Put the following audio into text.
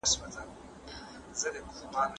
مسوولیت شریک دی.